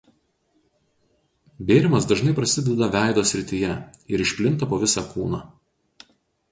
Bėrimas dažnai prasideda veido srityje ir išplinta po visą kūną.